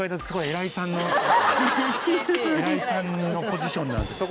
偉いさんのポジションなんで。